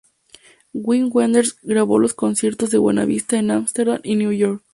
Wim Wenders grabó los conciertos del Buena Vista en Ámsterdam y New York.